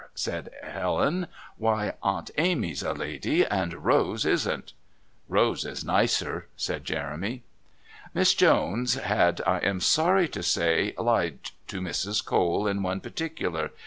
said Helen. "Why, Aunt Amy's a lady, and Rose isn't." "Rose is nicer," said Jeremy. Miss Jones had, I am sorry to say, lied to Mrs. Cole in one particular.